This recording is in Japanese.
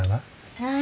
はい。